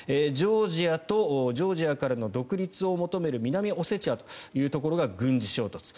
ジョージアとジョージアからの独立を求める南オセチアというところが軍事衝突。